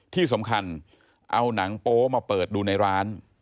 ที่สำคัญเอาหนังโป๊มาเปิดดูในร้าน